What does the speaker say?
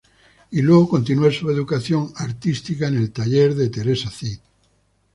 Y luego, continúa su educación artística en el taller de Teresa Cid.